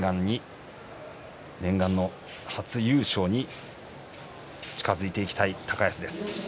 念願の初優勝に近づいていきたい高安です。